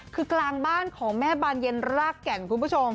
คือกลางบ้านของแม่บานเย็นรากแก่นคุณผู้ชม